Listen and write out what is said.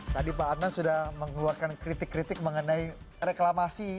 tadi pak adnan sudah mengeluarkan kritik kritik mengenai reklamasi